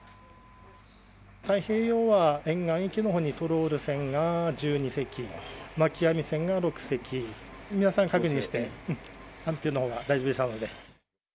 太平洋は、沿岸域のほうにトロール船が１２隻、巻き網船が６隻、皆さん確認して、安否のほうは大丈夫でしたので。